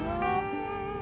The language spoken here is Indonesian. iya aku hapur banget